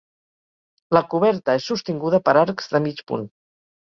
La coberta és sostinguda per arcs de mig punt.